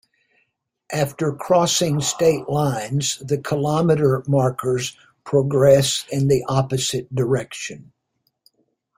After crossing state lines the kilometer markers progress in the opposite direction.